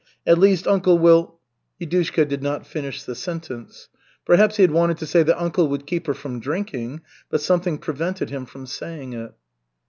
At least, uncle will " Yudushka did not finish the sentence. Perhaps he had wanted to say that uncle would keep her from drinking, but something prevented him from saying it.